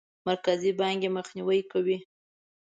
مرکزي بانک یې مخنیوی کوي.